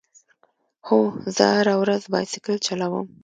هو، زه هره ورځ بایسکل چلوم